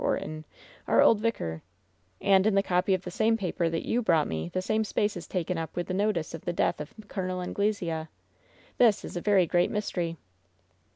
Orton, our old vicar; and in the copy of the same paper that you brought me the same space is taken up with the notice of the death of Col. Anglesea. This is a very great mystery